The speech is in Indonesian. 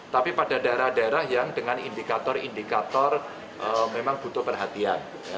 tapi pada daerah daerah yang dengan indikator indikator memang butuh perhatian